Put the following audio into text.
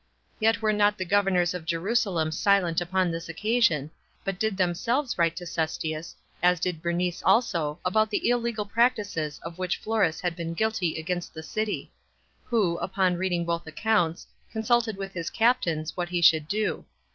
Yet were not the governors of Jerusalem silent upon this occasion, but did themselves write to Cestius, as did Bernice also, about the illegal practices of which Florus had been guilty against the city; who, upon reading both accounts, consulted with his captains [what he should do].